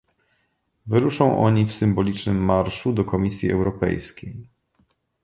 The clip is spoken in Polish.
Wyruszą oni w symbolicznym marszu do Komisji Europejskiej